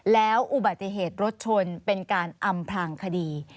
แล้วอุบัติเหตุรถชนเป็นการอำพลางคดี